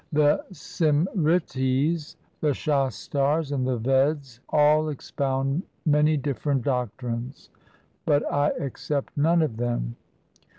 The Simritis, the Shastars, and the Veds all expound many different doctrines, but I accept none of them.